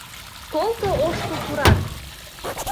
Колто ошкыл туран